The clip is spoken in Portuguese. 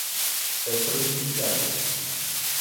extrajudiciais